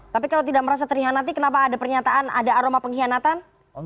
tapi kalau tidak merasa terhianati kenapa ada pernyataan ada aroma pengkhianatan